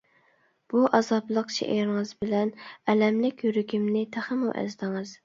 بۇ ئازابلىق شېئىرىڭىز بىلەن ئەلەملىك يۈرىكىمنى تېخىمۇ ئەزدىڭىز.